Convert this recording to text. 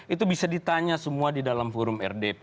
itu bisa ditanya semua di dalam forum rdp